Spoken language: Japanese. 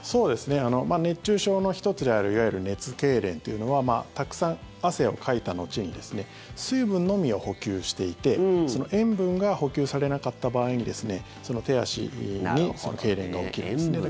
熱中症の１つであるいわゆる熱けいれんというのはたくさん汗をかいた後に水分のみを補給していて塩分が補給されなかった場合に手足にけいれんが起きるんです。